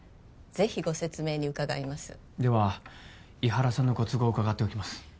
ぜひご説明に伺いますでは伊原さんのご都合を伺っておきます